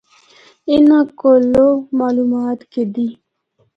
اُنّاں کولو معلومات گِدّی۔